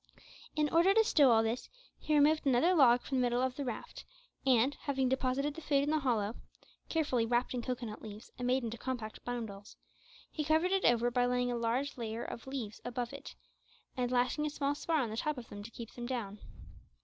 In order to stow all this he removed another log from the middle of the raft, and, having deposited the food in the hollow carefully wrapped in cocoanut leaves and made into compact bundles he covered it over by laying a layer of large leaves above it and lashing a small spar on the top of them to keep them down.